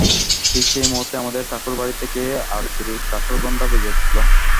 ঠিক সেই মুহূর্তেই আমাদের ঠাকুরবাড়ি থেকে আরতির কাঁসর ঘণ্টা বেজে উঠল।